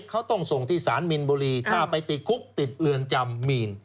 เขาต้องส่งที่สารมีนบุรีถ้าไปติดคุกติดเรือนจำมีน